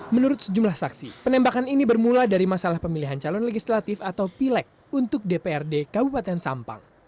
menurut sejumlah saksi penembakan ini bermula dari masalah pemilihan calon legislatif atau pilek untuk dprd kabupaten sampang